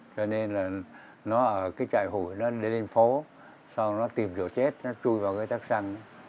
cho nên là nó ở cái trại hủy nó lên phố sau đó nó tìm chỗ chết nó chui vào cái tắc xăng